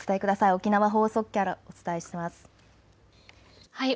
沖縄放送局からお伝えします。